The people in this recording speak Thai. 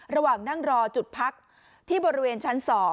ระหว่างนั่งรอจุดพักที่บริเวณชั้น๒